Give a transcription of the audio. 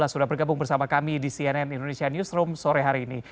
sudah bergabung bersama kami di cnn indonesia newsroom sore hari ini